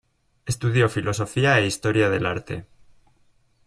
Estudió Filosofía e Historia del Arte.